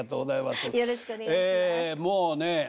もうね